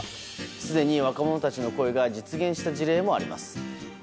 すでに若者たちの声が実現した事例もあります。